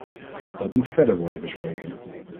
Dat moet verder worden besproken.